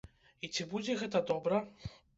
І ці будзе гэта добра?